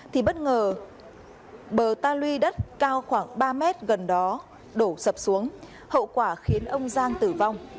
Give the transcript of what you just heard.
thì bất ngờ bờ ta lui đất cao khoảng ba mét gần đó đổ sập xuống hậu quả khiến ông giang tử vong